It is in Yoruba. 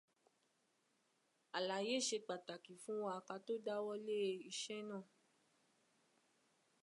Àlàyé ṣe pàtàkì fún wa ká tó dá wọ́lé iṣẹ́ náà.